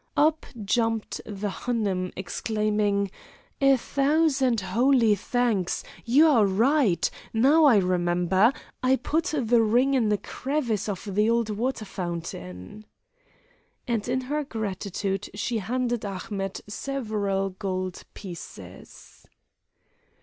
Up jumped the Hanoum, exclaiming: "A thousand holy thanks! You are right! Now I remember! I put the ring in a crevice of the cold water fountain." And in her gratitude she handed Ahmet several gold pieces.